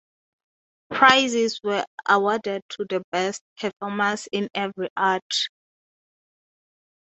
Prizes were awarded to the best performers in every art.